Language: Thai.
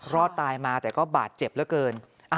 รอดตายมาแต่ก็บาดเจ็บเหลือเกิน